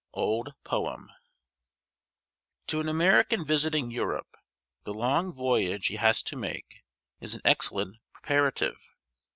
OLD POEM. To an American visiting Europe, the long voyage he has to make is an excellent preparative.